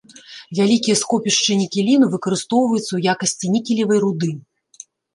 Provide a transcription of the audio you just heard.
Вялікія скопішчы нікеліну выкарыстоўваюцца ў якасці нікелевай руды.